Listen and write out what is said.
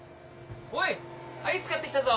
おいアイス買ってきたぞ